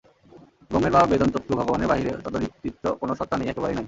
ব্রহ্মের বা বেদান্তোক্ত ভগবানের বাহিরে তদতিরিক্ত কোন সত্তা নাই, একেবারেই নাই।